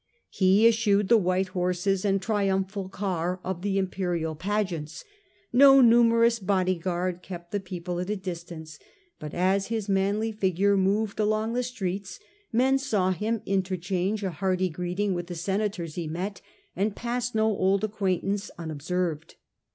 He eschewed the white horses and triumphal car of the imperial pageants ; no numerous body guard kept the people at a distance, but as his manly figure moved along the streets, men saw him inter change a hearty greeting with the senators he met, and pass no old acquaintance unobserved.